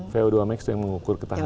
vo dua max yang mengukur ketahanan